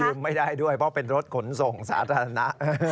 ไม่ได้ด้วยเพราะเป็นรถขนส่งสาธารณะ